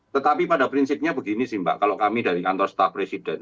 tetapi pada prinsipnya begini sih mbak kalau kami dari kantor staf presiden